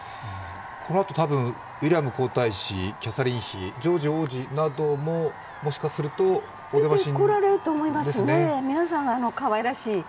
このあと多分、ウィリアム皇太子、キャサリン妃、ジョージ王子などももしかするとお出ましに？